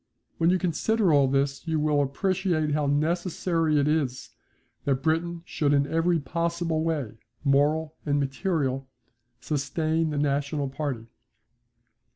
When you consider all this you will appreciate how necessary it is that Britain should in every possible way, moral and material, sustain the national party.